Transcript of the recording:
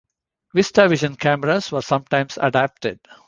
VistaVision cameras were sometimes adapted.